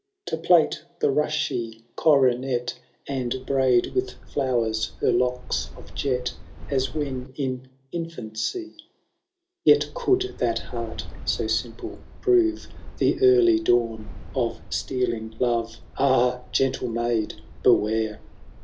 To plait the rushy coronet, And braid with flowers her locks of jet, As when in infancy v— Yet could that heart, so simple, prove The early dawn of stealing love : Ah ! gentle maid, beware